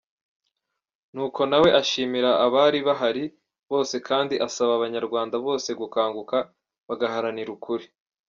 Ni uko nawe ashimira abari bahari bose kandi asaba abanyarwanda bose gukanguka bagaharanira ukuri.